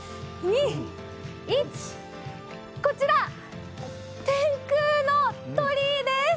３、２、１、こちら天空の鳥居です！